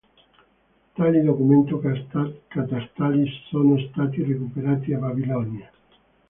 Tali documenti catastali sono stati recuperati a Babilonia.